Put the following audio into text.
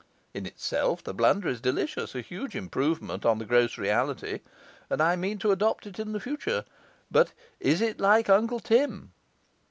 in itself, the blunder is delicious, a huge improvement on the gross reality, and I mean to adopt it in the future; but is it like Uncle Tim?